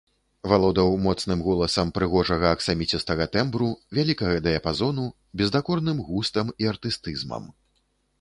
Валодаў моцным голасам прыгожага аксаміцістага тэмбру, вялікага дыяпазону, бездакорным густам і артыстызмам.